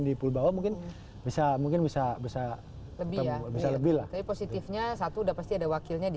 di pulbawa mungkin bisa mungkin bisa bisa lebih positifnya satu udah pasti ada wakilnya di